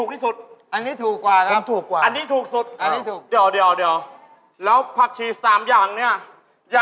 ไม่แพงครับท่านหลอด